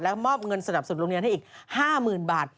มอบเงินสนับสนุนโรงเรียนให้อีก๕๐๐๐บาท